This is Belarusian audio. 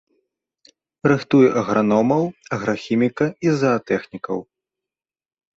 Рыхтуе аграномаў, аграхіміка і заатэхнікаў.